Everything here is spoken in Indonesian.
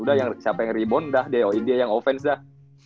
udah siapa yang rebound dah dia yang offense dah